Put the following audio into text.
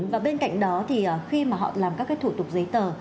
và bên cạnh đó thì khi mà họ làm các cái thủ tục giấy tờ